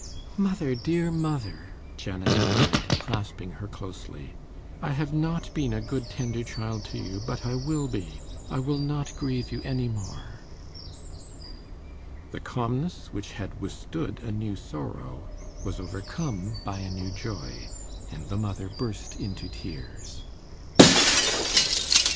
'Mother, dear mother!' Janet cried, clasping her closely. 'I have not been a good tender child to you, but I will be I will not grieve you any more.' The calmness which had withstood a new sorrow was overcome by a new joy, and the mother burst into tears.